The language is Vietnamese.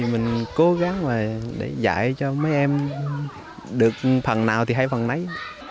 mình cố gắng để dạy cho mấy em được phần nào thì hay phần nấy